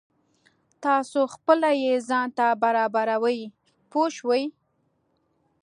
تاسو خپله یې ځان ته برابروئ پوه شوې!.